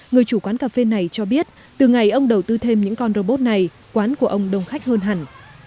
người chủ quán cà phê này cho biết từ ngày ông đầu tư thêm những con robot này quán của ông đông khách hơn hẳn